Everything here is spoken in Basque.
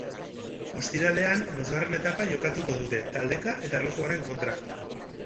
Ostiralean, bosgarren etapa jokatuko dute, taldeka eta erlojuaren kontra.